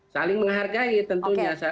saling menghargai tentunya